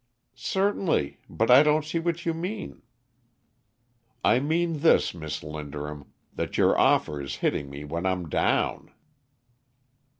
"Certainly; but I don't see what you mean." "I mean this, Miss Linderham, that your offer is hitting me when I'm down."